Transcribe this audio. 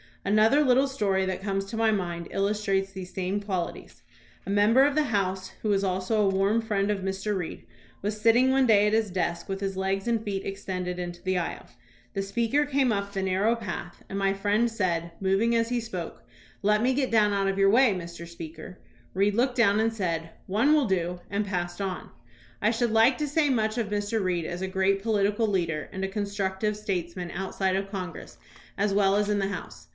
Another little story that comes to my mind illus trates these same qualities. A member of the House who was also a warm friend of Mr. Reed was sitting one day at his desk with his legs and feet extended into the aisle. The Speaker came up the narrow path 206 THOMAS BRACKETT REED and my friend said, moving as he spoke, "Let me get out of your way, Mr. Speaker." Reed looked down and said, "One will do," and passed on. I should like to say much of Mr. Reed as a great political leader and constructive statesman outside of Congress, as well as in the House.